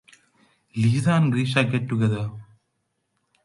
Liza and Grisha get together.